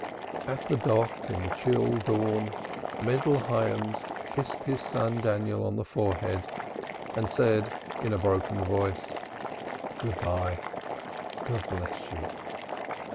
At the dock in the chill dawn, Mendel Hyams kissed his son Daniel on the forehead and said in a broken voice: "Good bye. God bless you."